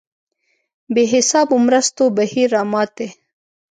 بې حسابو مرستو بهیر رامات دی.